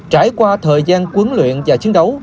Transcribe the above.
trải qua thời gian huấn luyện và chiến đấu